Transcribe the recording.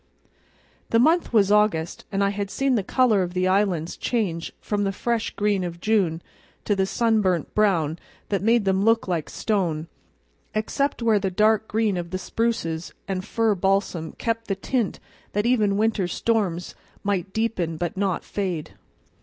The month was August, and I had seen the color of the islands change from the fresh green of June to a sunburnt brown that made them look like stone, except where the dark green of the spruces and fir balsam kept the tint that even winter storms might deepen, but not fade.